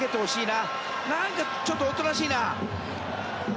なんかちょっとおとなしいな。